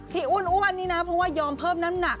อ้วนนี่นะเพราะว่ายอมเพิ่มน้ำหนัก